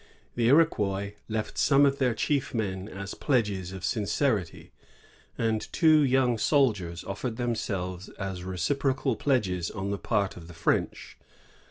The Iroquois left some of their chief men as pledges of sincerity, and two young soldiers offered themselves as reciprocal pledges on the part of the French.